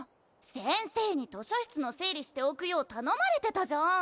先生に図書室の整理しておくよう頼まれてたじゃん。